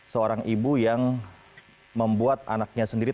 seorang ibu yang membuat anaknya sendiri